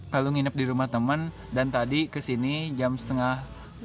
lalu nginep di rumah teman dan tadi kesini jam setengah